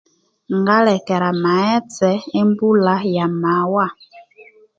Ngalekera amaghetse embulha yamawa